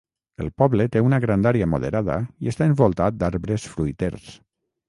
El poble té una grandària moderada i està envoltat d'arbres fruiters.